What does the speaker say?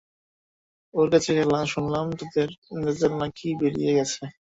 ওর কাছে শুনলাম - ওদের রেজাল্ট নাকি বেড়িয়ে গেছে।